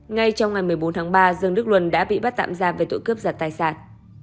ngay trong ngày một mươi bốn tháng ba dương đức luân đã bị bắt tạm giam về tội cướp giật tài sản